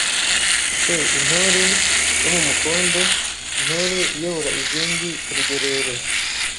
c. Intore yo ku mukondo: Intore iyobora izindi ku rugerero.